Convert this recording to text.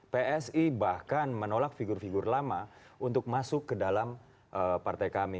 psi bahkan menolak figur figur lama untuk masuk ke dalam partai kami